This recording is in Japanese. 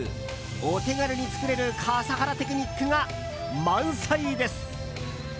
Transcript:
お手軽に作れる笠原テクニックが満載です。